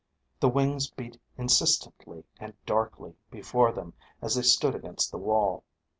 The wings beat insistently and darkly before them as they stood against the wall.